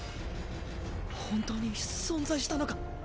本当に存在したのか。